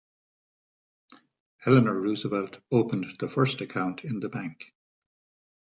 Eleanor Roosevelt opened the first account in the bank.